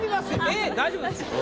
えっ大丈夫ですか？